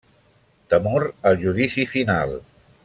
Temor al Judici Final.